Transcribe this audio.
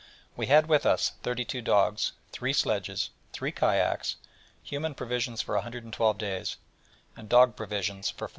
We had with us thirty two dogs, three sledges, three kayaks, human provisions for 112 days, and dog provisions for 40.